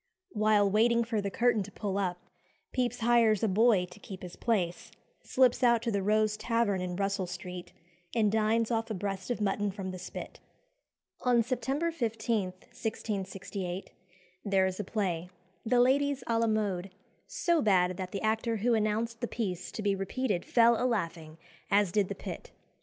While waiting for the curtain to pull up, Pepys hires a boy to keep his place, slips out to the Rose Tavern in Russell Street, and dines off a breast of mutton from the spit. On September 15, 1668, there is a play "The Ladies à la Mode" so bad that the actor who announced the piece to be repeated fell a laughing, as did the pit.